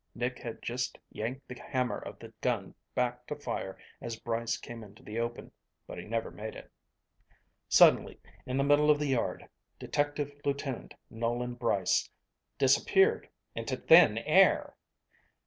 Nick had just yanked the hammer of the gun back to fire as Brice came into the open but he never made it. Suddenly, in the middle of the yard, Detective Lieutenant Nolan Brice disappeared into thin air!